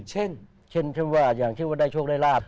เช่นเช่นว่าอย่างิลป์ได้โชคได้ราช